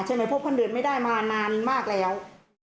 ใช่ไหมเพราะพ่อเดินไม่ได้มานานมากแล้ว